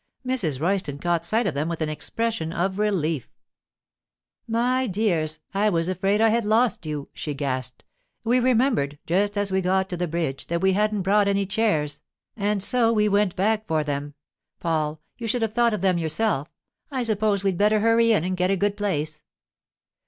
Mrs. Royston caught sight of them with an expression of relief. 'My dears, I was afraid I had lost you,' she gasped. 'We remembered, just as we got to the bridge, that we hadn't brought any chairs, and so we went back for them. Paul, you should have thought of them yourself. I suppose we'd better hurry in and get a good place.